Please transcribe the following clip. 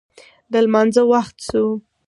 د لمانځه وخت شو